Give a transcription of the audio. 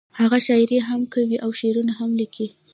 هغه شاعري هم کوي او شعرونه لیکي